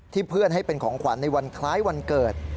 เพื่อนให้เป็นของขวัญในวันคล้ายวันเกิด